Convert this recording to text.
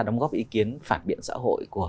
đóng góp ý kiến phản biện xã hội của